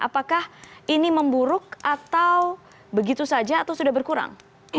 apakah ini memburuk atau begitu saja atau sudah berkurang